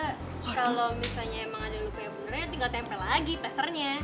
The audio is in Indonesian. kalo misalnya emang ada luka yang bener nanti ga tempel lagi pesternya